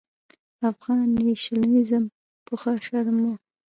افغان نېشنلېزم پخوا شرم و.